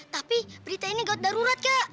tapi berita ini gawat darurat kak